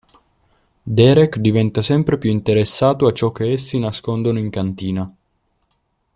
Derek diventa sempre più interessato a ciò che essi nascondono in cantina.